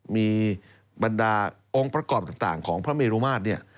มีบรรดาองค์ประกอบต่างของพระเมรุมาตรเนี่ย